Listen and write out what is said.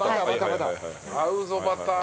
合うぞバター。